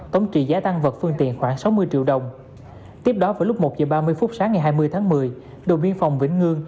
tống trị giá tăng vật phương tiện khoảng sáu mươi triệu đồng